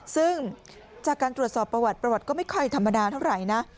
ซึ่งจากการตรวจสอบประวัติประวัติก็ไม่ค่อยธรรมดาเท่าไหร่นะ